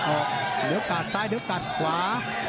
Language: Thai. ออกเดี๋ยวกาดซ้ายเดี๋ยวกัดขวา